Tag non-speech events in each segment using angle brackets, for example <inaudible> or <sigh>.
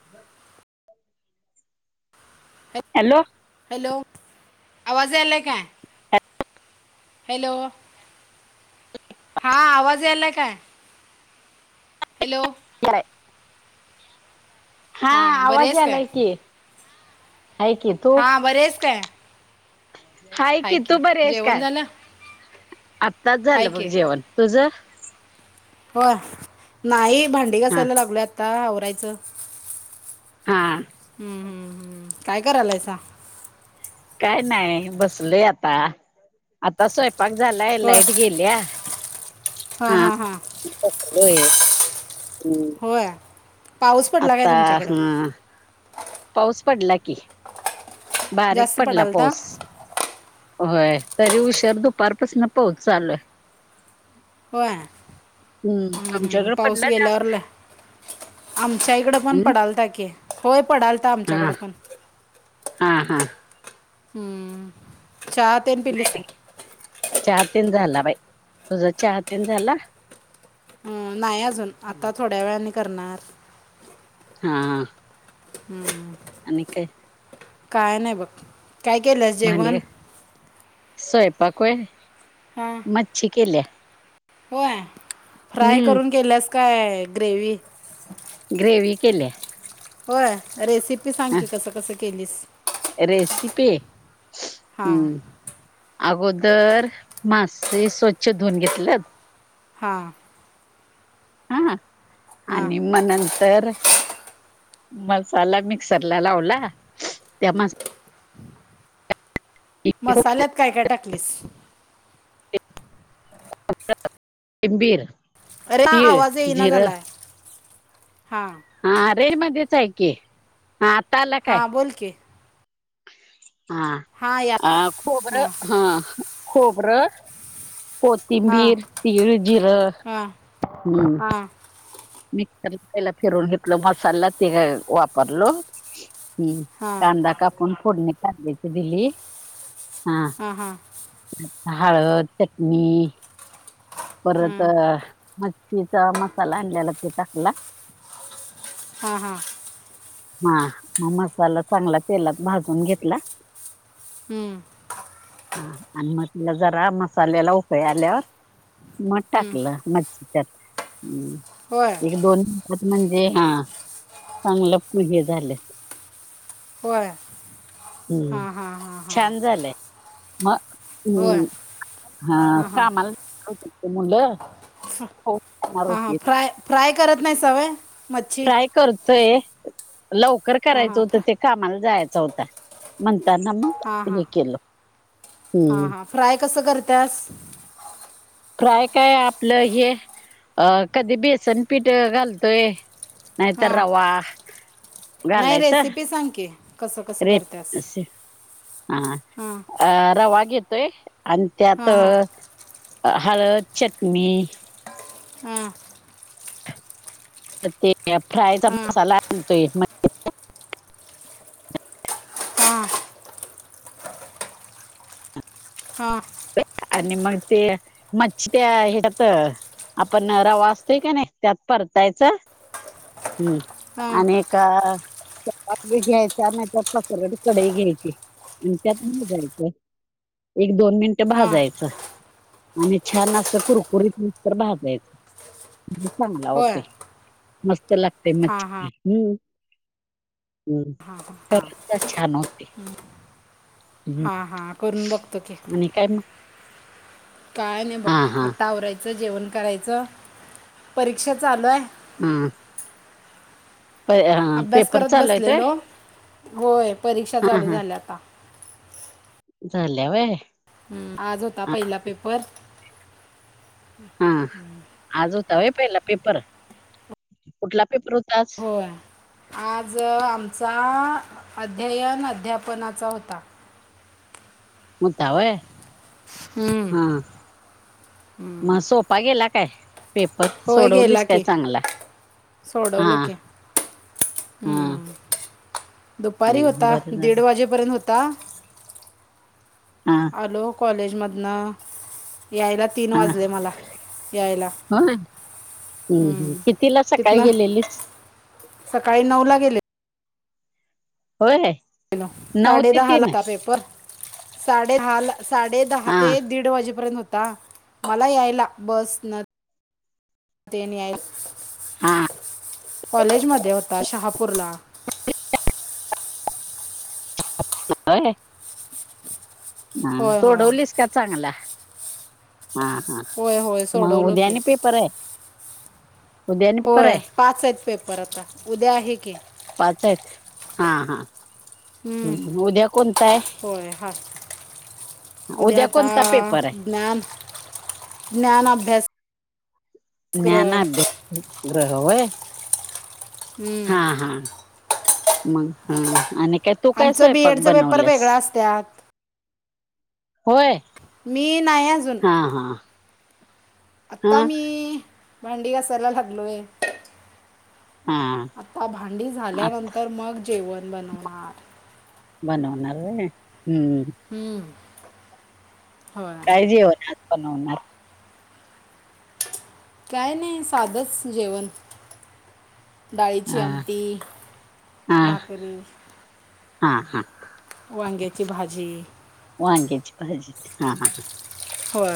ह ह्या हॅलो आवाज आलाय काय? हॅलो हा आवाज यायलाय काय? हॅलो हा हां बरे आवाज आहेस काय यालाय कि हाय की हा बरी हास काय? हाय की तू बरी आहेस काय? आत्ताच हाय झालं बघ की जेवण तुझ? होय नाही भांडी हा घासायला लागलोय आता आवरायचं. हा हम्म हम्म हम्म काय करायलायसा? काय नाय बसलोय आता आता सवय पाक झालाय होय लाईट गेल्या हां हा. हां हां बसलोय हम होय पाऊस पडला काय तुमच्याकडं? हा पाऊस पडला की बारीक जास्त पडला पडालता पाऊस. होय तरी उशर दुपारपासन पाऊस चालूय. होय हम् हम्म तुमच्याकडे पाऊस पडला जास्त गेल्यावरला आमच्या इकड पण हम्म पडालता कि होय पडालता हा आमच्याकड पण हा हा ह चात नाही चहा तीन झाला बाई तुझा चहा तीन झाला? हम नाही अजून आता थोड्या वेळानी करणार. हा हम्म आणि काय काय नाही बघ. काय केल्यास भांडी जेवण? स्वयंपाक होय. हा. मच्छी केल्या. होय. फ्राय हम्म करून केल्यास काय ग्रेवी? ग्रेवी केल्या. होय. रेसिपी सांग ह की कसं कसं केलीस. रेसिपी. हां हम्म. अगोदर मासे स्वच्छ धुवून घेतलेत. हा. हा. हां आणि म नं तर. मसाला मिक्सर ला लावला. त्या म मसाल्यात काय काय टाकलीस? <unintelligible> कोथिंबीर अरे! ह तीळ आवाज येईना जिरं झालाय. हा. हा. रेंज मध्येच आहे की. हा. आता आला काय? हां बोल की. हा. हां या अ खोबरं हां हा खोबरं. हां कोथिंबीर, तीळ, जिरं. हां हम्म. हां मिक्सर ला पहिला फिरून घेतलं. मसाला ते वापरलो. हम्म. हां हां कांदा कापून फोडणी कांद्याची दिली. हा. हां हळद चटनी हां परत मच्छीचा मसाला आणलेला ते टाकला. हा हा. हा. मग मसाला चांगला तेलात भाजून घेतला. हम्म. हा. आणि मग तिला जरा मसाल्याला उकळी आल्यावर. मग हं, टाकलं मच्छी त्यात. होय एक दोन. <unintelligible> म्हणजे हा. चांगलं पुजे झाले. होय हम्म. हां हां हां हां छान झालंय. मग होय हम्. हा. हां हां कामाला मुलं. हो करणार हा हा. होती फ्राय-फ्राय करत नाहीसा होय. फ्राय करतोय. लवकर हां करायचं हां होत फ्रा ते. कामाला जायचा होता. म्हणताना मग हा हा. हे केलं हा हम्म हा. फ्राय कसं करत्यास? फ्राय काय आपलं हे. अ कधी बेसन पीठ घालतोय. नाही तर हां रवा. नाही घालायचा रेसिपी सांग की. कसं कसं करत्यास? रेप असे हा. अ रवा घेतोय आणि त्यात हां हां हळद चटणी. हा. तर ते फ्रायचा हां मसाला आणतोय <unintelligible> हां हा. आणि मग ते मच्छी त्या ह्याच्यात. आपण रवा असतोय का नाही त्यात परतायचं. हम्म हां आणिक घ्यायच्या नाही त्या पसरट कढई घ्यायची आणि त्यात <unintelligible> एक दोन मिनट हां भाजायचं आणि छान असं कुरकुरीत नसत भाजायचं. चांगला होय होते मस्त लागते हां हां <unintelligible> हम्म हम् खच छान होते. हम. हा करून बघतो की. काय मग? काय नाही बघ हा हा आत्ता आवरायचं जेवण करायचं. परीक्षा चालू आहे. हम्म. अभ्यास पेपर करत चालू आहेत व्हय बसलेलो. होय परीक्षा हा चालू हा झाल्या आता. झाल्या व्हय? ह आज होता हा पहिला पेपर. हा आज होता व्हय पहिला पेपर? कुठला पेपर होता आज? होय आज? तर आमचा अध्ययन अध्यापनाचा होता. होता व्हय? हम्म हा. मग सोपा गेला काय? पेपर होय गेला सोडवलीस काय की चांगला? हा. हा हम्म दुपारी हम्म होता बरं झालं दीड वाजेपर्यंत होता. हा आलो कॉलेजमधन. यायला तीन हा वाजले मला यायला. होय हम्म हम कितीला सकाळी तिथनं गेलेलीस? सकाळी नऊ ला गेले. होय ना? गेलो साडे दहाला होता पेपर. साडे दहाला साडे दहा हा ते दीड वाजेपर्यंत हो मला यायला बसन. ते न यायला हा कॉलेज मध्ये होता शहापूरला. होय ह होय होय सोडवलीस का चांगला? हा हा होय होय मग सोडवलो उद्या की आणि पेपर आहे? उद्या आणि पेपर होय आहे पाच आहेत पेपर आता. उद्या आहे की. पाच. हा हा उद्या कोणता आहे? हो ह. उद्या उद्याता कोणता पेपर आहे ज्ञान ज्ञान अभ्यास. ज्ञान अभ्यास <unintelligible> व्हय? हम्म. हा हा मग हा आणि काय? तू काय आमचं बी सयपाक एडचं पेपर बनवल्यास? वेगळा असत्यात होय? मी नाही अजून. हा हा. आता हा मी भांडी घासायला लागलोय. हा आता भांडी आता झाल्यानंतर मग जेवण बनवणार. बनवणार रे हम्म. हम्म हो. काय जेवण आज बनवणार? काय नाही साधंच जेवण, डाळीची हा आमटी, हा भाकरी, हा, हा, वांग्याची भाजी, वांग्याची भाजी, हा, हा, होय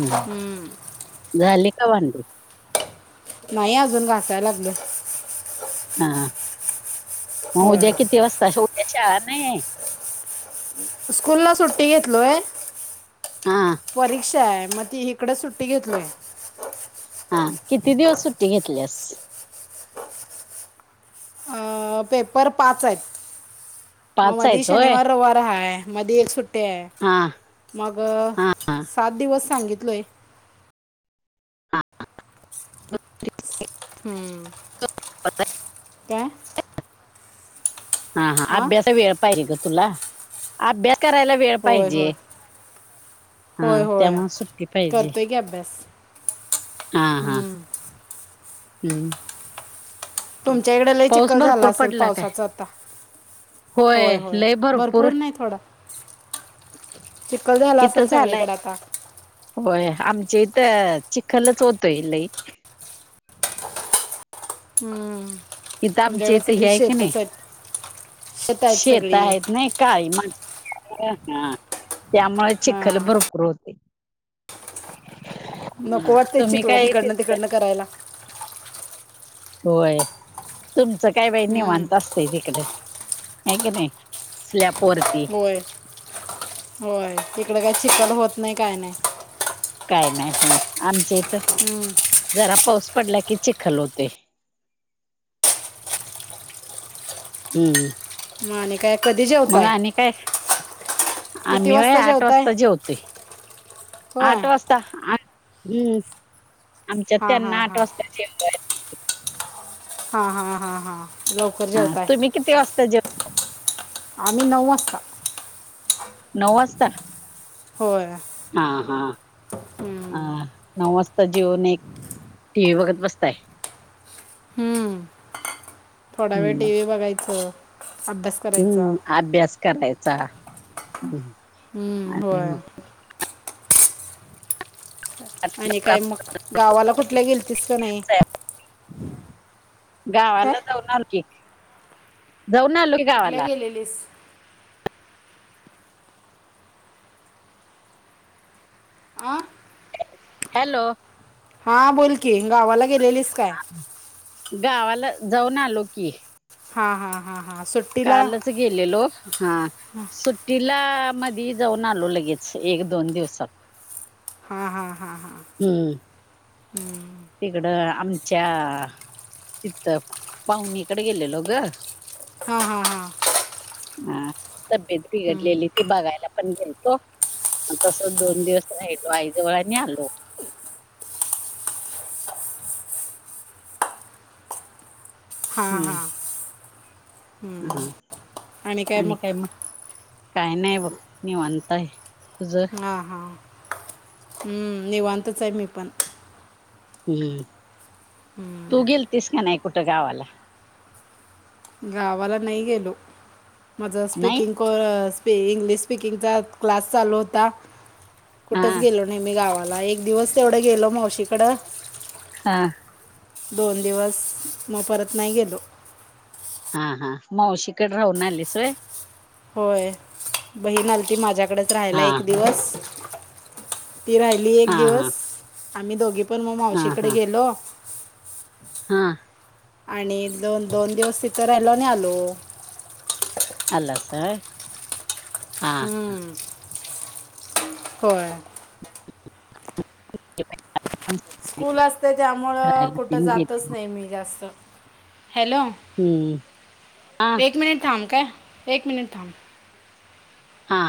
हम, हम्म, झाली का भांडे? नाही अजून घासायला लागले, हा मग होय उद्या किती वाजता? स्कूल ला सुट्टी घेतलोय हा परीक्षा आहे मग ती, इकडे सुट्टी घेतलोय. हा किती दिवस सुट्टी घेतलीस? अं, पेपर पाच आहेत मग पाच मधी आहेत होय शनिवार, रविवार हाय. मध्ये एक सुट्ट्या आहे. हा, मग सात दिवस सांगितले, हां, हम्म, काय, हा हा हां अभ्यास वेळ पाहिजे ग तुला अभ्यास करायला वेळ होय पाहिजे. होय होय हम्म, होय त्यामुळे सुट्टी पाहिजे. करतोय की अभ्यास हा हा हम्म. हम्म, तुमच्या इकडे लही पाऊस चिखल झाला भरपूर असेल पडला काय? पावसाच आता, होय होय भरपूर नाही थोडा, चिखल झाला इथं असेल झालाय सगळीकडे आता, होय आमचे इथ चिखलच होतय लई, हम्म, इथ आमच्या तुमच्याकडे इथ हे सगळी आहे का नाही शेतच आहेत आहेत शेत सगळी आहेत नाही, काळी माती, हा त्यामुळे चिखल हां भरपूर होते, नको वाटते तुम्ही चिखला काय येथे, तिकडनं तिकडनं करायला, होय, तुमचं काय बाई हम्म. निवांत असतं, व्हय तिकडं हाय कानी स्लॅप वर, होय होय तिकड काय चिखल होत नाय काय नाय, काय नाय होय आमच्या इथ, हम्म, जरा पाऊस पडला की चिखल होतोय, हम्म, मग आणि काय, कधी मग जेवताय आणि काय, किती आम्ही व्हय वाजता आठ जेवताय वाजता जेवतोय. होय आठ वाजता हम्म आमच्यात हां हां त्यांना हां आठ वाजता, जेवण, हा हा हा हा लवकर हा जेवताय, तुम्ही किती वाजता जेव आम्ही नऊ वाजता, नऊ वाजता, होय, हा हा.... आ हम्म. नऊ वाजता जेऊन एक टी व्ही बघत बसताय? हम्म.. थोडा वेळ हम्म टी व्ही बघायच, अभ्यास करायचा हम्म.. आभ्यास करायचा. हम्.. हम्म.. होय. आणि काय मग? गावाला कुठल्या गेलतीस काय नाही? काय गावाला जाऊन आलो की, जाऊन आलो.. कुठल्या गावाला गेलेलीस? आ हॅलो! हा बोलकी, गावाला गेलेलीस काय? गावाला जाऊन आलो की. हा हा हा हा सुट्ट कालच गेलेलो. हा सुट सुट्टीला मधी जाऊन आलो लगेच एक दोन दिवसात हा हां हां हां.... हम्म.. हम्.. तिकडं आमच्या तिथ पाहुणीकडे गेलेलो ग.. हा हा हा हा.. हा तब्येत बिघडलेली ते बघायला पण गेलतो. मग तसच दोन दिवस राहिलो आईजवळ अन आलो. हां हम्म.. हां हा.. आणि काय मग? काय नाही बघ निवांत हाय.. तुझं? हा हा.. हम्म.. निवांतच आहे मी पण. हम्म.. तू गेलतिस काय नाय कुठं गावाला? गावाला नाही गेलो.. माझं आज नाही स्पीकिंग कोरस इंग्लिश स्पिंगग चा क्लास चालू होता. हा कुठंच गेलो नाहीे. मी गावाला एक दिवस तेवढं गेलो मावशीकडं हा.. दोन दिवस मग परत नाही गेलो. हा हा मावशीकड राहून आलीस होय.. होय बहीण आलती माझ्याकडच राहिला हा एक हा दिवस ती राहिली हिली एक हा दिवस हा आम्ही दोघी पण मग हा मावशीकडे हा गेलो हा.. आणि एक दोन दोन दिवस तिथं राहिलो आणि आलो. आलासा व्हय हा.. हम्म.. होय. स्कूल असते त्यामुळं राहायला कुठं तेन जातच गेली नाही मी जास्त हॅलो? हम्म हा एक मिनिट थांब काय एक मिनिट थांब. हा.